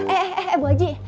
eh eh eh bu haji